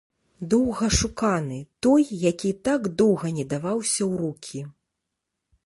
Доўгашуканы, той, які так доўга не даваўся ў рукі.